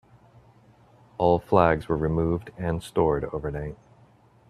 All flags were removed and stored overnight.